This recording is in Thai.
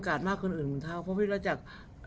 เพราะพี่ตามการเลือก